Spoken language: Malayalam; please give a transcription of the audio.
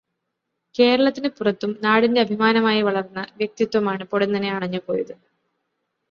കേരളത്തിനു പുറത്തും നാടിന്റെ അഭിമാനമായി വളർന്ന വ്യക്തിത്വമാണ് പൊടുന്നനെ അണഞ്ഞു പോയത്.